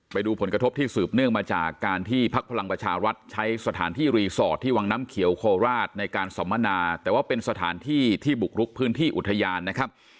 ไปดูผลกระทบที่สืบเนื่องมาจากการที่พักพลังประชารัฐใช้สถานที่รีสอร์ทที่วังน้ำเขียวโคราชในการสัมมนาแต่ว่าเป็นสถานที่ที่บุกรุกพื้นที่อุทยานนะครับ